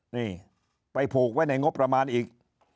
นี่ไปผูกไว้ในงบประมาณอีก